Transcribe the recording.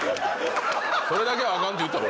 それだけはアカンって言ったぞ。